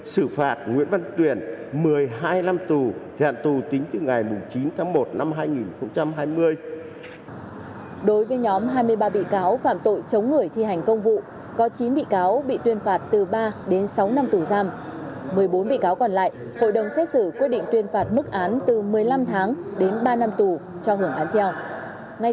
sử phạt lê đình doanh trung thân thẻ hạn tù tính từ ngày chín tháng một năm hai nghìn hai mươi